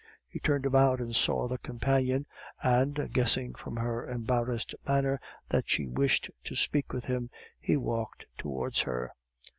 He turned about and saw the companion; and, guessing from her embarrassed manner that she wished to speak with him, he walked towards her.